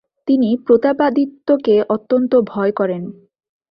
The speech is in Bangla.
তিনি প্রতাপাদিত্যকে অত্যন্ত ভয় করেন।